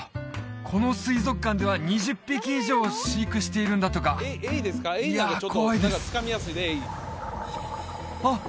この水族館では２０匹以上飼育しているんだとかいや怖いですあっ